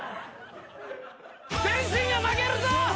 天心が負けるぞ！